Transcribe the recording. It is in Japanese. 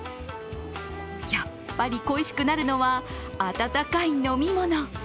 やっぱり恋しくなるのは温かい飲み物。